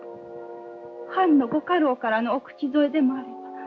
藩のご家老からのお口添えでもあれば。